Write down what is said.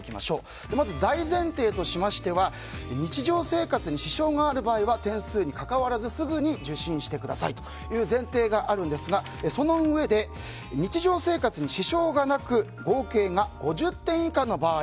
まず大前提としまして日常生活に支障がある場合は点数にかかわらずすぐに受診してくださいという前提があるんですがそのうえで日常生活に支障がなく合計が５０点以下の場合。